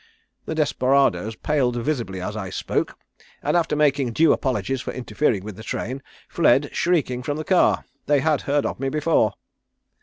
"The desperadoes paled visibly as I spoke, and after making due apologies for interfering with the train, fled shrieking from the car. They had heard of me before.